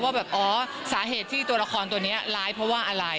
ว่าแบบอ๋อสาเหตุที่ตัวละครตัวนี้ร้ายเพราะว่าอะไร